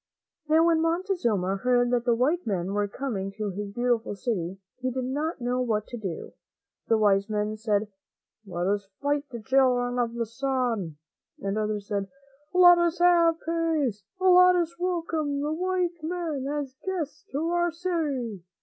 Now, when Montezuma heard that the white men were coming to his beautiful city, he did not know what to do. Some of his wise men said, " Let us fight the Children of the Sun," and others said, "Let us have peace; let us welcome the white men as guests to our city."